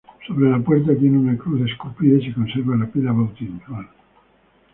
Sobre la puerta tiene una cruz esculpida y se conserva la pila bautismal.